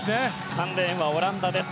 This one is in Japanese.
３レーンはオランダです。